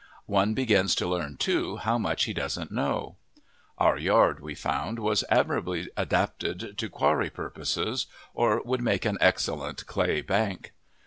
One begins to learn, too, how much he doesn't know. Our yard, we found, was admirably adapted to quarry purposes, or would make an excellent clay bank.